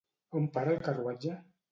On para el carruatge?